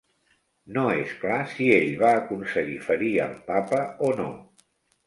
No és clar si ell va aconseguir ferir al Papa o no.